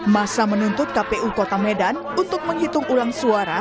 masa menuntut kpu kota medan untuk menghitung ulang suara